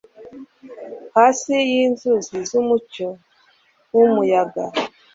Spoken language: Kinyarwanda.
Hasi yinzuzi zumucyo wumuyaga.